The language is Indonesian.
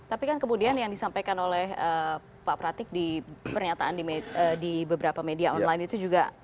tapi kan kemudian yang disampaikan oleh pak pratik di pernyataan di beberapa media online itu juga